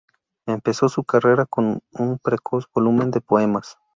Empezó su carrera con un precoz volumen de poemas.